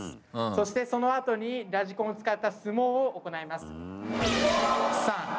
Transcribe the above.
そして、そのあとにラジコンを使った相撲を行います。